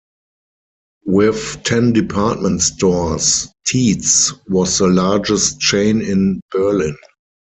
With ten department stores Tietz was the largest chain in Berlin.